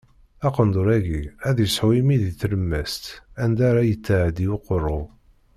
Aqendur-agi ad isɛu imi di tlemmast, anda ara yettɛeddi uqerru.